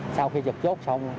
sau khi dập chốt xong